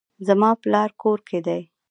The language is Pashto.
زما پلار کور کې دی